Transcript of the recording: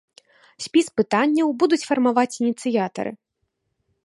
Спіс пытанняў будуць фармаваць ініцыятары.